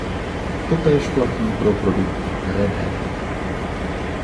Totéž platí pro produkt Red Hat.